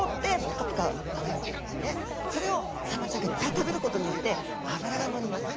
それをサンマちゃんがいっぱい食べることによってあぶらがのります。